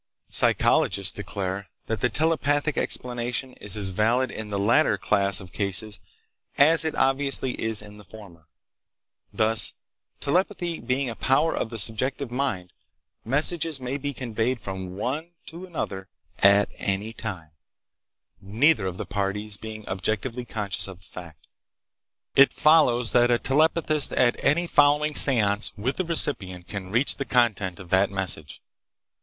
"Psychologists declare that the telepathic explanation is as valid in the latter class of cases as it obviously is in the former. Thus, telepathy being a power of the subjective mind, messages may be conveyed from one to another at any time, neither of the parties being objectively conscious of the fact. It follows that a telepathist at any following seance with the recipient can reach the content of that message.